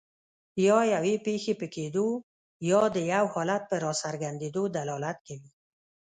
یا یوې پېښې په کیدو یا د یو حالت په راڅرګندیدو دلالت کوي.